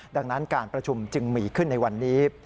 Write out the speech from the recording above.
ดังนั้นการประชุมจึงมีขึ้นในวันนี้